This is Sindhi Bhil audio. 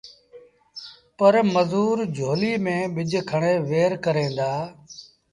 پو مزور جھولي ميݩ ٻج کڻي وهير ڪريݩ دآ